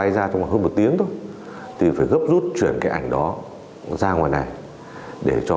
giá tới một triệu đồng trong thời gian lâu